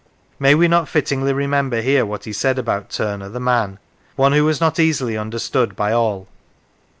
May we not fittingly remember here what he said about Turner the man, one who was not easily understood by all